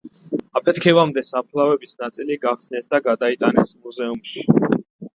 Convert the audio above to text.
აფეთქებამდე საფლავების ნაწილი გახსნეს და გადაიტანეს მუზეუმში.